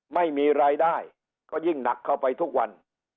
ไม่มีรายได้ก็ยิ่งหนักเข้าไปทุกวัน